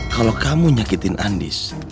kalau kamu nyakitin andis